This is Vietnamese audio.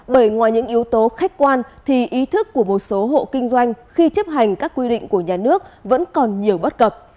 bởi ngoài những yếu tố khách quan thì ý thức của một số hộ kinh doanh khi chấp hành các quy định của nhà nước vẫn còn nhiều bất cập